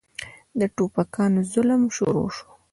د ټوپکيانو ظلم شروع سو.